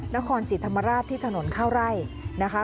นครศรีธรรมราชที่ถนนเข้าไร่นะคะ